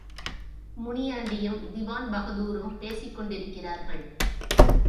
முனியாண்டியும் திவான்பகதூரும் பேசிக் கொண்டிருக்கிறார்கள்.